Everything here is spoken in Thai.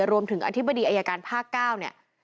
รวมถึงอธิบดีอายการภาค๙เนี่ย